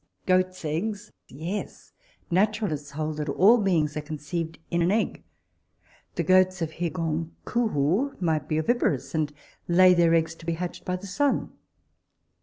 Goat's eggs! Yes naturalists hold that all Beings are conceived in an egg. The goats of Hirgonqúu might be oviparous, and lay their eggs to be hatched by the sun.